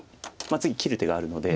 次切る手があるので。